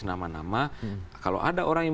nama nama kalau ada orang yang